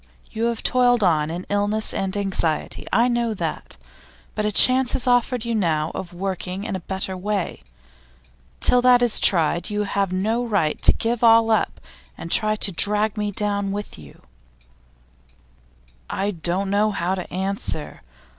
You have toiled on in illness and anxiety I know that. But a chance is offered you now of working in a better way. Till that is tried, you have no right to give all up and try to drag me down with you.' 'I don't know how to answer.